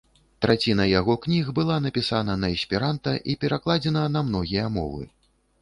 Траціна яго кніг была напісана на эсперанта і перакладзена на многія мовы.